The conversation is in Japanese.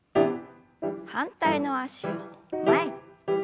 反対の脚を前に。